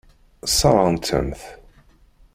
Sseṛɣent-am-t.